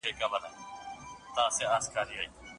نو نوي څه زده کوي.